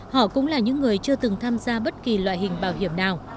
họ cũng là những người chưa từng tham gia bất kỳ loại hình bảo hiểm nào